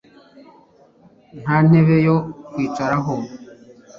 Nta ntebe yo kwicaraho